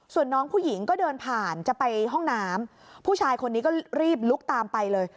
ส่วนน้องผู้หญิงก็เดินผ่านจะไปห้องน้ำผู้ชายคนนี้ก็รีบลุกตามไปเลย